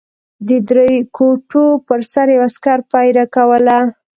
د درې کوټو پر سر یو عسکر پېره کوله.